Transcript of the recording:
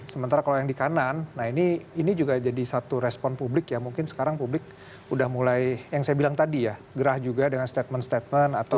sementara kalau yang di kanan nah ini juga jadi satu respon publik ya mungkin sekarang publik udah mulai yang saya bilang tadi ya gerah juga dengan statement statement atau